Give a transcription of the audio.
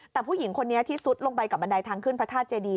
แต่ผู้หญิงคนนี้ที่ซุดลงไปกับบันไดทางขึ้นพระธาตุเจดี